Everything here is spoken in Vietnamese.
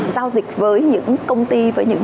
giao dịch với những công ty với những